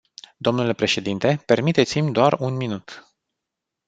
Dle președinte, permiteți-mi doar un minut.